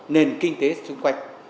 nền kinh tế xung quanh